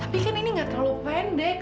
tapi kan ini nggak terlalu pendek